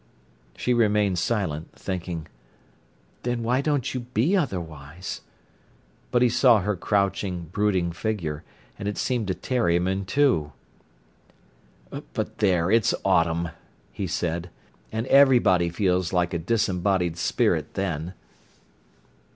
She remained silent, thinking, "Then why don't you be otherwise." But he saw her crouching, brooding figure, and it seemed to tear him in two. "But, there, it's autumn," he said, "and everybody feels like a disembodied spirit then."